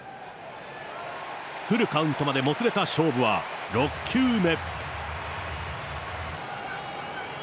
フルカウントまでもつれた勝負は６球目。